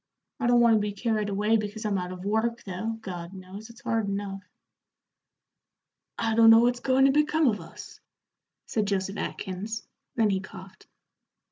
I don't want to be carried away because I'm out of work, though, God knows, it's hard enough." "I don't know what's goin' to become of us," said Joseph Atkins then he coughed.